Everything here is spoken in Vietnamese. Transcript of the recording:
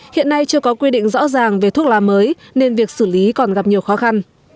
hiện nay chưa có quy định rõ ràng về thuốc lá mới nên việc xử lý còn gặp nhiều khó khăn